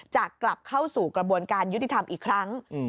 จะกลับเข้าสู่กระบวนการยุติธรรมอีกครั้ง